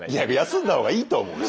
休んだ方がいいと思う。